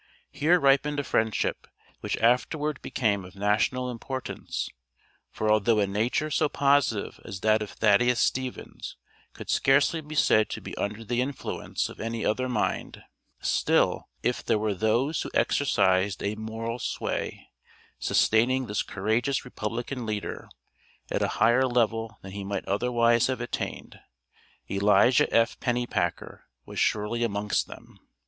Here ripened a friendship, which afterward became of national importance, for although a nature so positive as that of Thaddeus Stevens could scarcely be said to be under the influence of any other mind, still, if there were those who exercised a moral sway, sustaining this courageous republican leader, at a higher level than he might otherwise have attained, Elijah F. Pennypacker was surely amongst them.